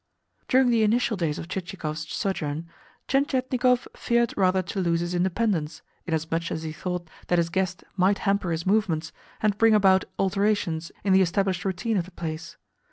During the initial days of Chichikov's sojourn, Tientietnikov feared rather to lose his independence, inasmuch as he thought that his guest might hamper his movements, and bring about alterations in the established routine of the place.